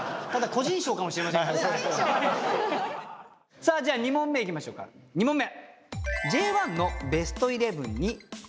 さあじゃあ第２問目いきましょうか２問目。